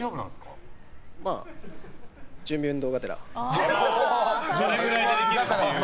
まあ、準備運動がてら。